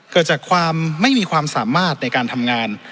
เกิดจากความไม่มีความสามารถในการทำงาน